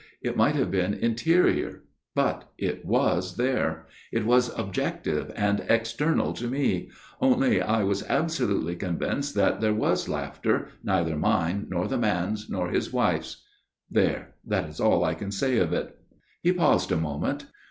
It might have been interior, but it was there ; it was objective and external to me ... only I was absolutely convinced that there was laughter, neither mine, nor the man's, nor his wife's. There ; that is all I can say of it." He paused a moment.